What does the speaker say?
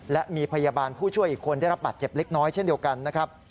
และมีพยาบาลผู้ช่วยอีกคนได้รับบาดเจ็บเล็กน้อยเช่นเดียวกันนะครับ